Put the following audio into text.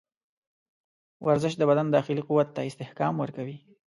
ورزش د بدن داخلي قوت ته استحکام ورکوي.